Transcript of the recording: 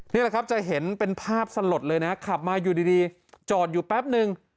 นี่แหละครับจะเห็นเป็นภาพสลดเลยนะขับมาอยู่ดีจอดอยู่แป๊บนึง